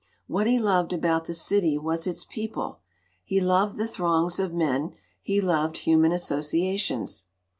What he loved about the city was its people he loved the throngs of men, he loved human associations.